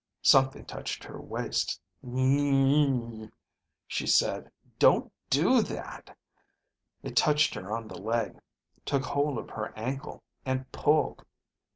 Something touched her waist. "Gnnnnnggggg," she said. "Don't do that." It touched her on the leg, took hold of her ankle, and pulled.